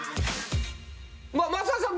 松谷さん